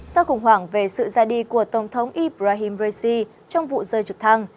sau khủng hoảng về sự ra đi của tổng thống ibrahim raisi trong vụ rơi trực thăng